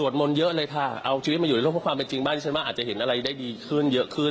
ฉันว่าอาจจะเห็นอะไรได้ดีขึ้นเยอะขึ้น